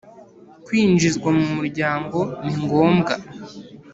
Kwinjizwa mu muryango ningombwa.